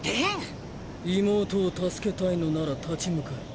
妹を助けたいのなら立ち向かえ。